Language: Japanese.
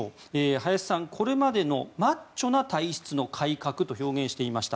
林さん、これまでのマッチョな体質の改革と表現していました。